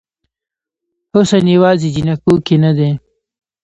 حسن یوازې جینکو کې نه دی